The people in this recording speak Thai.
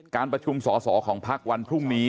การประชุมสอสอของพักวันพรุ่งนี้